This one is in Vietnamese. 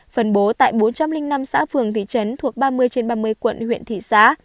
phần bố tại bốn trăm linh năm xã phường thị trấn thuộc ba mươi trên ba mươi quận huyện thị xã